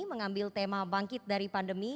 mengambil tema bangkit dari pandemi